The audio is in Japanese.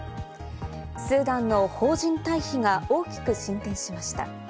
スーダンの邦人退避が大きく進展しました。